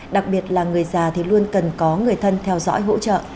đặc biệt là người già thì luôn cần có người thân theo dõi hỗ trợ